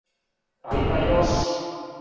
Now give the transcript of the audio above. А има још.